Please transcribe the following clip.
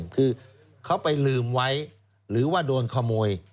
คือเขาไปลืมไว้หรือว่าโดนขโมย